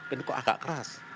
itu kok agak keras